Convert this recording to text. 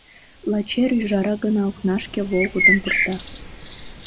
Лач эр ӱжара гына окнашке волгыдым пурта.